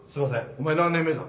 お前何年目だ？